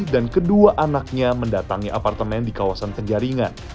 dan kedua anaknya mendatangi apartemen di kawasan penjaringan